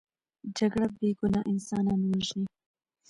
جګړه بې ګناه انسانان وژني